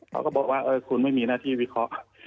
เขาก็บอกว่าคุณไม่มีหน้าที่วิเคราะห์